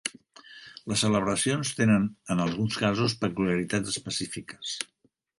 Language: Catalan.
Les celebracions tenen en alguns casos peculiaritats específiques.